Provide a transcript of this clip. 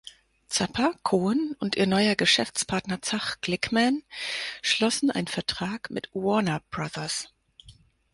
Zappa, Cohen und ihr neuer Geschäftspartner Zach Glickman schlossen einen Vertrag mit Warner Bros.